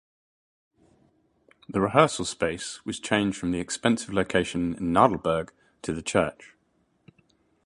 The rehearsal space was changed from the expensive location in Nadelberg to the church.